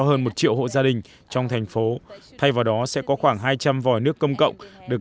hơn một triệu hộ gia đình trong thành phố thay vào đó sẽ có khoảng hai trăm linh vòi nước công cộng được